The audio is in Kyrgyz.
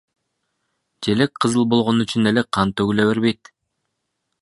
Желек кызыл болгон үчүн эле кан төгүлө бербейт.